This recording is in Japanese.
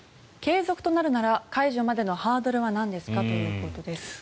継続となるなら解除までのハードルはなんですか？ということです。